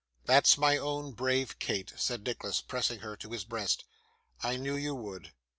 'That's my own brave Kate!' said Nicholas, pressing her to his breast. 'I knew you would.